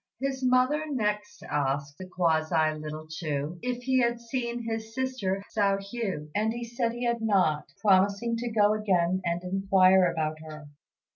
His mother next asked (the quasi) little Chu if he had seen his sister, Hsiao hui; and he said he had not, promising to go again and inquire about her.